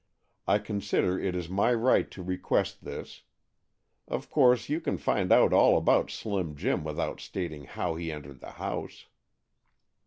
I consider it is my right to request this. Of course you can find out all about Slim Jim without stating how he entered the house."